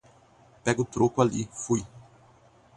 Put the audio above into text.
Pega o troco ali, fui